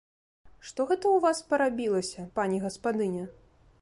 Што гэта ў вас парабілася, пані гаспадыня?